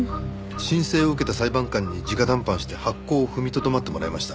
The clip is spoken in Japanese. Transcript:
申請を受けた裁判官に直談判して発行を踏みとどまってもらいました。